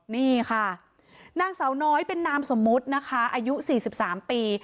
นี่ค่ะนางสาวน้อยเป็นนามสมมุตินะคะอายุ๔๓ปี